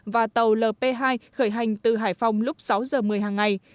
và tàu lp hai khởi hành từ hải phòng lúc sáu giờ một mươi hàng ngày